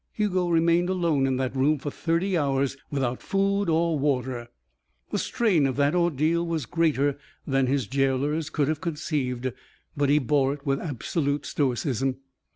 Hugo remained alone in that room for thirty hours without food or water. The strain of that ordeal was greater than his jailers could have conceived, but he bore it with absolute stoicism.